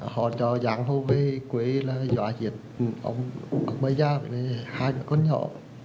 họ cho giảng hồ về quê là doa diệt ông bây giờ hai con nhỏ